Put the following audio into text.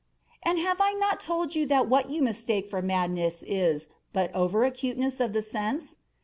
And have I not told you that what you mistake for madness is but over acuteness of the sense?